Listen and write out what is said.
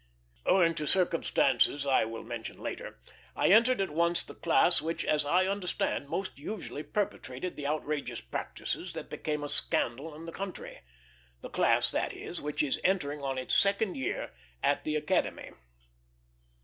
Owing to circumstances I will mention later, I entered at once the class which, as I understand, most usually perpetrated the outrageous practices that became a scandal in the country the class, that is, which is entering on its second year at the Academy.